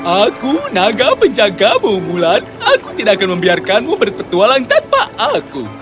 aku naga penjagamu bulan aku tidak akan membiarkanmu berpetualang tanpa aku